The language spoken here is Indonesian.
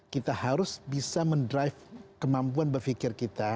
kita harus bisa mendrive kemampuan berpikir kita